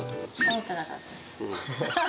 思ってなかったです。